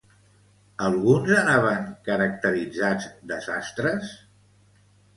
Alguns anaven caracteritzats de sastres?